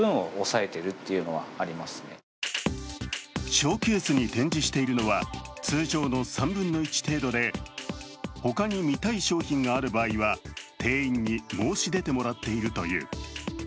ショーケースに展示しているのは、通常の３分の１程度で他に見たい商品がある場合は店員に申し出てもらっているという。